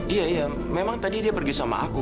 iya iya memang tadi dia pergi sama aku